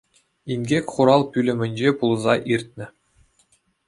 Инкек хурал пӳлӗмӗнче пулса иртнӗ.